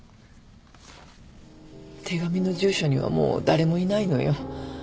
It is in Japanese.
手紙の住所にはもう誰もいないのよ。